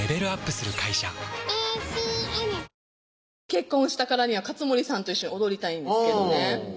結婚したからには勝盛さんと一緒に踊りたいんですけどね